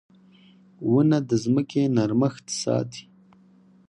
• ونه د ځمکې نرمښت ساتي.